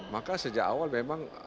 maka sejak awal memang